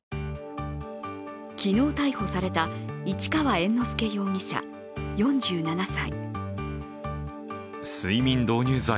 昨日逮捕された市川猿之助容疑者、４７歳。